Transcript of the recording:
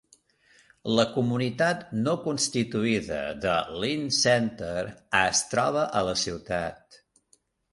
La comunitat no constituïda de Lind Center es troba a la ciutat.